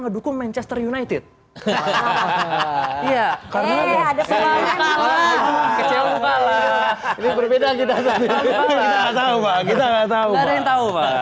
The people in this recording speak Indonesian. ngedukung manchester united hahaha iya karena ada kecewa kepala berbeda kita tahu kita tahu